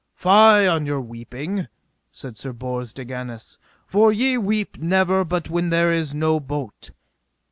Fie on your weeping, said Sir Bors de Ganis, for ye weep never but when there is no bote.